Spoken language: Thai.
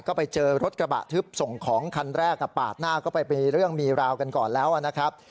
ก็ไปเจอรถกระบะทึบส่งของคันแรกปาดหน้าก็ไปมีเรื่องมีราวกันก่อนแล้วนะครับ